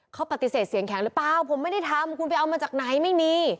เขาปฏิเสธเสียงแข็งหรือเปล่าผมไม่ได้ทำคุณไปเอามาจากไหนไม่มี